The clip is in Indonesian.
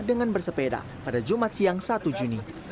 dengan bersepeda pada jumat siang satu juni